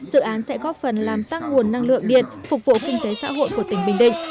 dự án sẽ góp phần làm tăng nguồn năng lượng điện phục vụ kinh tế xã hội của tỉnh bình định